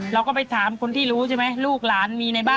เราก็ไปถามคนที่รู้ใช่ไหมลูกหลานมีในบ้าน